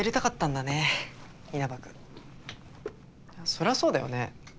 そりゃそうだよね。